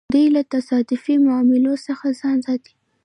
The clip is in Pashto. دوی له تصادفي معاملو څخه ځان ساتي.